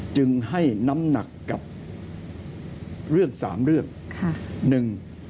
จึงให้น้ำหนักกับเรื่อง๓เรื่อง